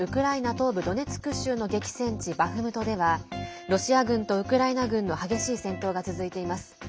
東部ドネツク州の激戦地バフムトではロシア軍とウクライナ軍の激しい戦闘が続いています。